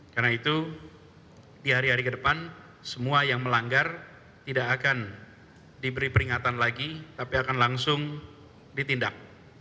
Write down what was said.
karena itu di hari hari ke depan semua yang melanggar tidak akan diberi peringatan lagi tapi akan langsung ditindak